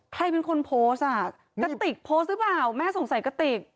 ใครเป็นคนโพสต์อ่ะกระติกโพสต์หรือเปล่าแม่สงสัยกระติก